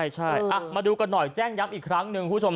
ใช่มาดูกันหน่อยแจ้งย้ำอีกครั้งหนึ่งคุณผู้ชม